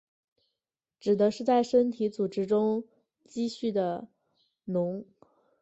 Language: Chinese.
指的是在身体组织中蓄积的脓。